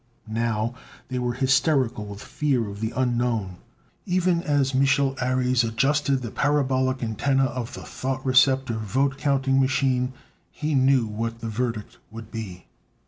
Now they were hysterical with fear of the unknown. Even as Mich'l Ares adjusted the parabolic antenna of the thought receptor vote counting machine, he knew what the verdict would be.